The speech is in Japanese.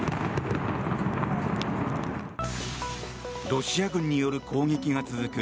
ロシア軍による攻撃が続く